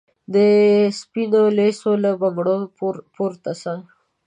د سپینو لېڅو له بنګړو پورته سه